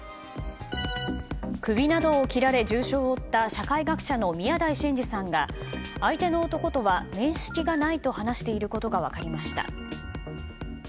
首などを切られ重傷を負った社会学者の宮台真司さんが相手の男とは面識がないと話していることが分かりました。